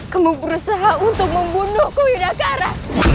kamu berusaha untuk membunuhku yudakara